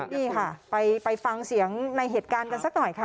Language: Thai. นี่ค่ะไปฟังเสียงในเหตุการณ์กันสักหน่อยค่ะ